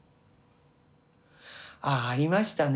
ああありましたね。